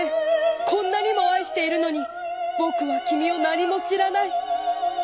こんなにも愛しているのにぼくは君を何も知らない。